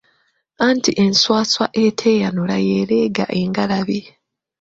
Anti enswaswa eteeyanula y’ereega engalabi.